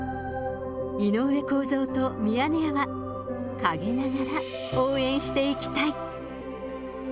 井上公造とミヤネ屋は陰ながら応援していきたい。